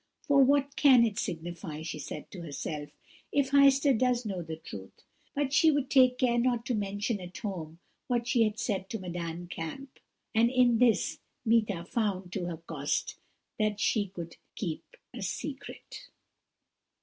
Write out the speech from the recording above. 'For what can it signify,' she said to herself, 'if Heister does know the truth?' But she would take care not to mention at home what she had said to Madame Kamp; and in this Meeta found, to her cost, that she could keep a secret."